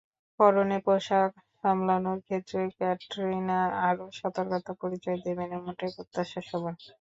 পরনের পোশাক সামলানোর ক্ষেত্রে ক্যাটরিনা আরও সতর্কতার পরিচয় দেবেন—এমনটাই প্রত্যাশা সবার।